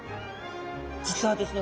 実はですね